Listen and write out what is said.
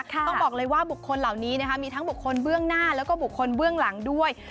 ต้องบอกเลยว่าบุคคลเหล่านี้มีทั้งบุคคลเบื้องหน้าแล้วก็บุคคลเบื้องหลังด้วย